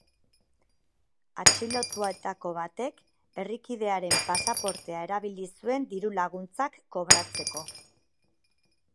Atxilotuetako batek herrikidearen pasaportea erabili zuen diru-laguntzak kobratzeko.